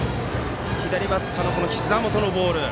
左バッターのひざ元のボール。